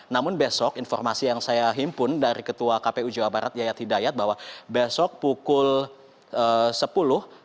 namun besok informasi yang saya himpun dari ketua kpu jawa barat yayat hidayat bahwa besok pukul sepuluh